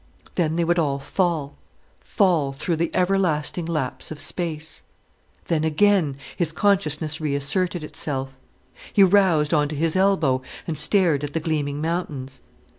Then they would all fall, fall through the everlasting lapse of space. Then again, his consciousness reasserted itself. He roused on to his elbow and stared at the gleaming mountains.